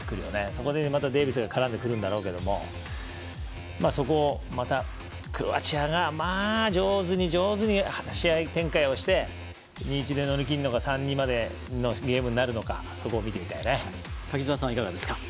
そこでデイビスが絡んでくるんだろうけどそこをまたクロアチアがまあ、上手に上手に試合展開をして２−１で乗り切るのか３−２までのゲームになるのかそこを見てみたいね。